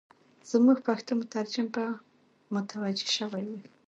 زموږ پښتو مترجم به متوجه شوی وای.